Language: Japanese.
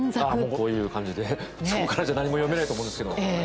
こういう感じでそこからじゃ何も読めないと思うんですけど。